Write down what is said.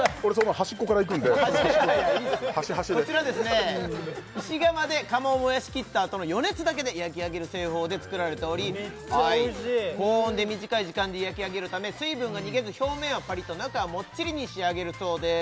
端端で石窯で窯を燃やしきったあとの余熱だけで焼き上げる製法で作られておりメッチャおいしい高温で短い時間で焼き上げるため水分が逃げず表面はパリッと中はモッチリに仕上げるそうです